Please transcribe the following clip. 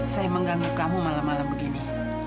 saya mengganggu kamu malam malam begini